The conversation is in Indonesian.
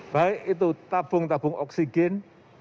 baik itu tabung tabung oksigen